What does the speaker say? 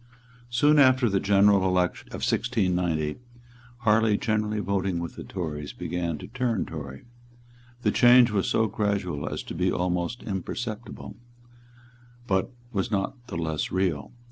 Soon after the general election of 1690, Harley, generally voting with the Tories, began to turn Tory. The change was so gradual as to be almost imperceptible; but was not the less real.